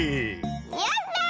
やった！